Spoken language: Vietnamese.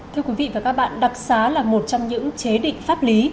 thưa quý vị và các bạn đặc xá là một trong những chế định pháp lý